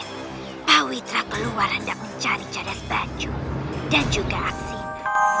aku yakin paui telah keluar hendak mencari jadwal baju dan juga aksin